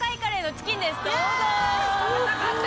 食べたかった！